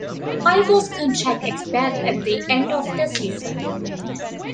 Phifer's contract expired at the end of the season.